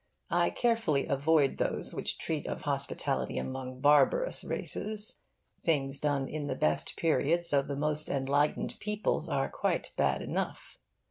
I carefully avoid those which treat of hospitality among barbarous races. Things done in the best periods of the most enlightened peoples are quite bad enough.